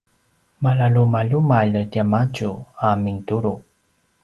malalumalumalj tiamadju a mintulu’